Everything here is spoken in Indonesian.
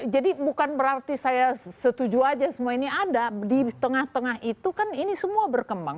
jadi bukan berarti saya setuju aja semua ini ada di tengah tengah itu kan ini semua berkembang